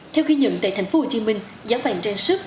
theo khi nhận tại tp hcm giá vàng trên sức